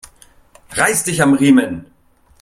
Reiß dich am Riemen!